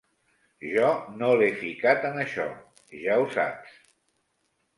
Jo no l'he ficat en això, ja ho saps.